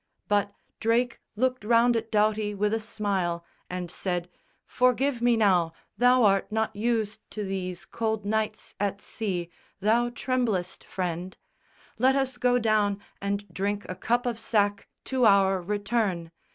But Drake looked round at Doughty with a smile And said, "Forgive me now: thou art not used To these cold nights at sea! thou tremblest, friend; Let us go down and drink a cup of sack To our return!"